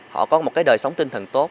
họ có một cái đời sống tinh thần tốt